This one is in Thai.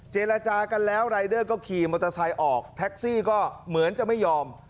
เจรจากันแล้วรายเดอร์ก็ขี่มอเตอร์ไซค์ออกแท็กซี่ก็เหมือนจะไม่ยอม